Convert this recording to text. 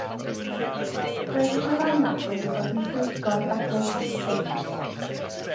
Roedd y gwylanod wedi bod yn rhwygo'r bagiau plastig.